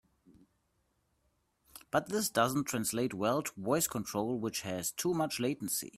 But this doesn't translate well to voice control, which has too much latency.